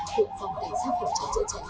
cụng phòng cảnh sát hỗ trợ chữa cháy